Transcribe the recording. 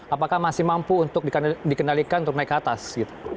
apakah masih mampu untuk dikendalikan untuk naik ke atas